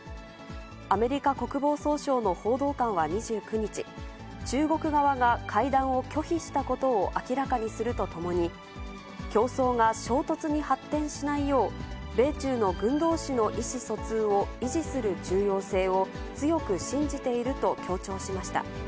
アメリカ国防総省の報道官は２９日、中国側が会談を拒否したことを明らかにするとともに、競争が衝突に発展しないよう、米中の軍どうしの意思疎通を維持する重要性を強く信じていると強調しました。